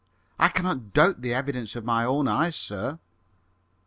I cannot doubt the evidence of my own eyes, sir."